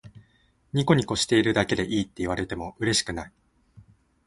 ニコニコしているだけでいいって言われてもうれしくない